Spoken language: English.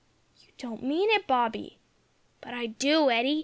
"You don't mean it, Bobby!" "But I do, Hetty.